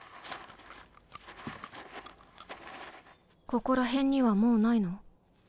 ここら辺にはもうないの？